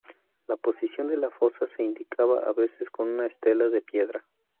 La posición de la fosa se indicaba a veces con una estela de piedra.